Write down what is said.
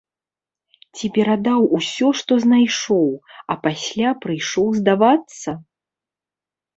Ці перадаў усё, што знайшоў, а пасля прыйшоў здавацца?